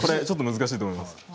ちょっと難しいと思います。